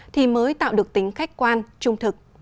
thì mới tạo được tính khách quan trung thực